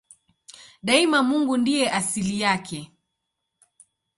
Daima Mungu ndiye asili yake.